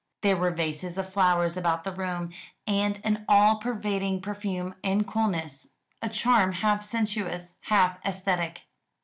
There were vases of flowers about the room, and an all pervading perfume and coolness a charm half sensuous, half aesthetic.